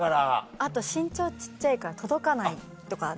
あと身長小っちゃいから届かないとかもあって。